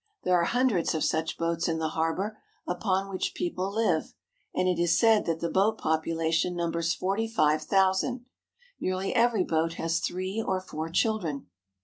There are hundreds of such boats in the harbor, upon which people live; and it is said that the boat population numbers forty five thousand. Nearly every boat has three or four children.